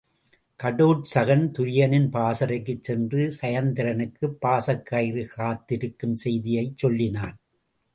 கடோற்சகன் துரியனின் பாசறைக்குச் சென்று சயத்திரனுக்குப் பாசக்கயிறு காத்திருக்கும் செய்தியைச் சொல்லினான்.